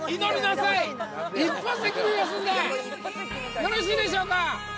よろしいでしょうか？